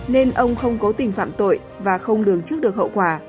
nên ông không cố tình phạm tội và không lường trước được hậu quả